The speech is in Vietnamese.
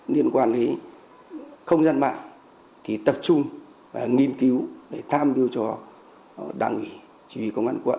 liên quan đến không gian mạng thì tập trung và nghiên cứu để tham biêu cho đáng nghỉ chủ yếu công an quận